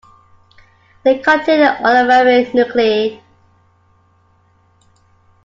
They contain the olivary nuclei.